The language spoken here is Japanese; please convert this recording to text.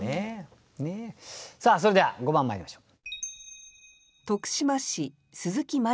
さあそれでは５番まいりましょう。